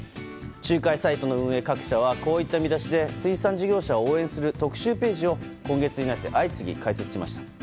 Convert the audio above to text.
仲介サイトの運営各社はこういった見出しで水産事業者を応援する特集ページを今月になって相次ぎ開設しました。